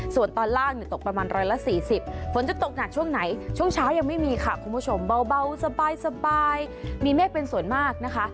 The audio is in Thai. ส่วนตอนล่างตกประมาณ๑๔๐ฝนจะตกหนักช่วงไหนช่วงเช้ายังไม่มีค่ะคุณผู้ชมเบาสบายมีเมฆเป็นส่วนมากนะคะ